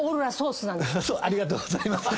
ありがとうございます。